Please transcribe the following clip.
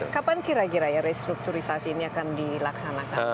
kapan kira kira ya restrukturisasi ini akan dilaksanakan